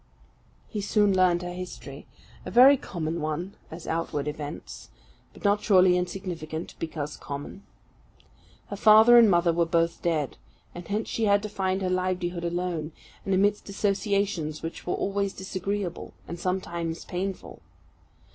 He soon learned her history a very common one as outward events, but not surely insignificant because common. Her father and mother were both dead, and hence she had to find her livelihood alone, and amidst associations which were always disagreeable, and sometimes painful.